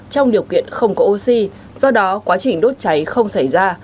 trong điều kiện không có oxy do đó quá trình đốt cháy không xảy ra